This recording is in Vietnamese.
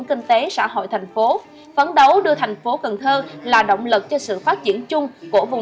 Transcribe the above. kinh tế xã hội thành phố phấn đấu đưa thành phố cần thơ là động lực cho sự phát triển chung của vùng